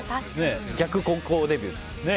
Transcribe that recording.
逆高校デビューですね。